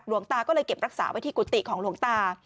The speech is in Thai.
หลวงตาก็เลยเก็บรักษาไว้ที่กุฏิของหลวงตา